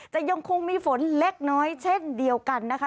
ยังคงมีฝนเล็กน้อยเช่นเดียวกันนะคะ